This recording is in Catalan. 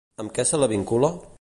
Amb què se la vincula?